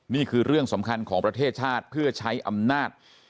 นี่คือเรื่องสำคัญของประเทศชาติเพื่อใช้อำนาจ